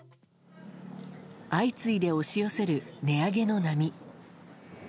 相次いで押し寄せる値上げの波。